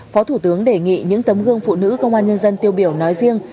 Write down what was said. phó thủ tướng đề nghị những tấm gương phụ nữ công an nhân dân tiêu biểu nói riêng